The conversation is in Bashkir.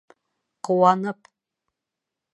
Ҡыуанып!